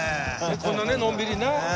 こんなねのんびりね。